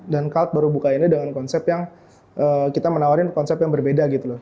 dan kalv baru bukainnya dengan konsep yang kita menawarin konsep yang berbeda gitu loh